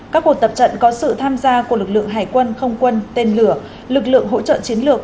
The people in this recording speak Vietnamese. các cuộc tập trận có sự tham gia của lực lượng hải quân không quân tên lửa lực lượng hỗ trợ chiến lược